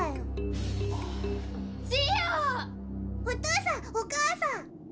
お父さんお母さん。